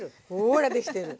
ほらできてる。